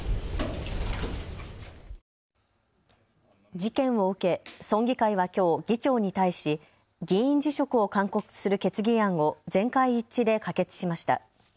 事件を受け、村議会はきょう議長に対し議員辞職を勧告する決議案を全会一致で可決しました。